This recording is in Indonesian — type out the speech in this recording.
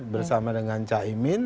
bersama dengan caimin